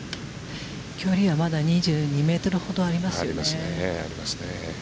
距離はまだ２２ｍほどありますよね。